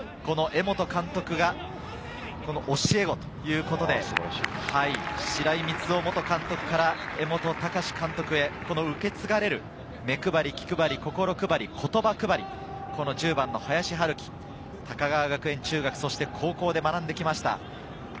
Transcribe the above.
江本監督が教え子ということで、白井三津雄元監督から江本孝監督へ受け継がれる目配り、気配り、心配り、言葉配り、１０番の林晴己、高川学園中学、そして高校で学んできました。